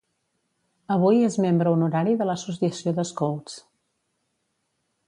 Avui és membre honorari de l'Associació d'Scouts.